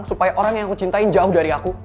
supaya orang yang aku cintai jauh dari aku